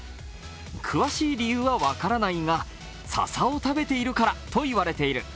詳しい理由は分からないが、笹を食べているからと言われている。